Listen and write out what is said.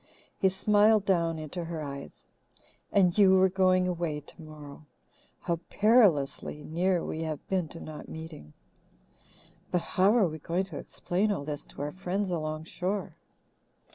He smiled down into her eyes. "And you were going away tomorrow. How perilously near we have been to not meeting! But how are we going to explain all this to our friends along shore?"